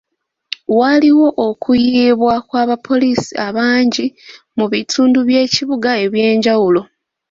Waaliwo okuyiibwa kw'abapoliisi abangi mu bitundu by'ekibuga eby'enjawulo.